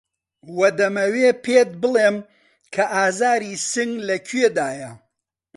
وە دەمەوێ پێت بڵێم کە ئازاری سنگ لە کوێدایه